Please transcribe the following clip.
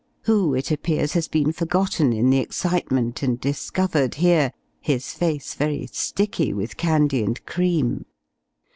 who, it appears, has been forgotten in the excitement, and discovered here his face very sticky with candy and cream.